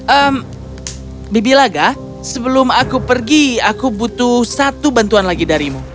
emm bibilaga sebelum aku pergi aku butuh satu bantuan lagi darimu